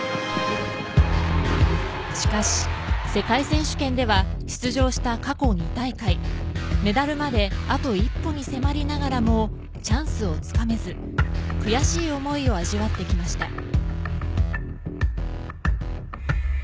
しかし、世界選手権では出場した過去２大会メダルまであと一歩に迫りながらもチャンスをつかめず悔しい思いを味わってきました。